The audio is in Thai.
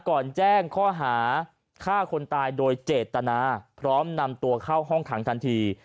แจ้งข้อหาฆ่าคนตายโดยเจตนาพร้อมนำตัวเข้าห้องขังทันที